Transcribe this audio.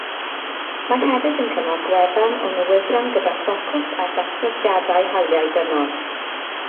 Mae hefyd yn cynnal gwefan o newyddion gyda ffocws ar ddatblygiadau hawliau dynol.